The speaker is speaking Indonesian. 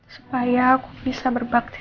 supaya aku bisa berbakti